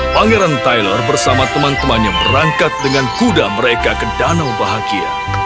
pangeran tyler bersama teman temannya berangkat dengan kuda mereka ke danau bahagia